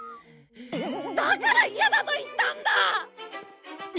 だから嫌だと言ったんだ！